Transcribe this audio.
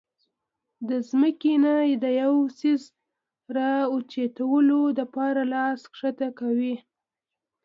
د زمکې نه د يو څيز را اوچتولو د پاره لاس ښکته کوي